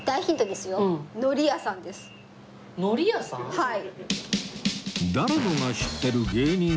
はい。